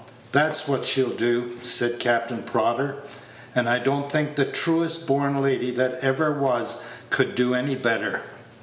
That's what she'll do," said Captain Prodder, "and I don't think the truest born lady that ever was could do any better."